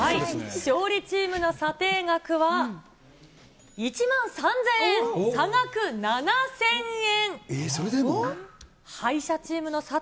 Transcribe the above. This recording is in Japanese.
勝利チームの査定額は、１万３０００円、差額７０００円。